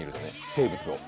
生物を。